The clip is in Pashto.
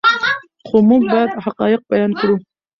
خو موږ باید حقایق بیان کړو.